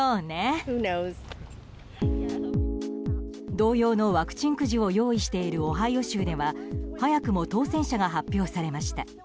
同様のワクチンくじを用意しているオハイオ州では早くも当選者が発表されました。